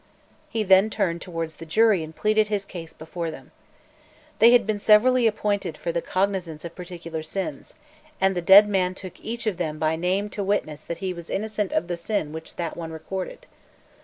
He then turned towards the jury and pleaded his cause before them. They had been severally appointed for the cognizance of particular sins, and the dead man took each of them by name to witness that he was innocent of the sin which that one recorded.